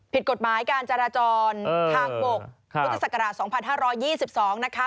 ผิดกฎหมายการจราจรทางบกพุทธศักราช๒๕๒๒นะคะ